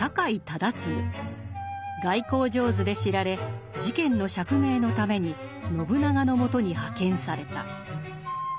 外交上手で知られ事件の釈明のために信長の元に派遣された。